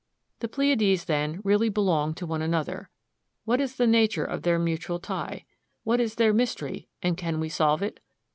The Pleiades then really belong to one another. What is the nature of their mutual tie? What is their mystery, and can we solve it?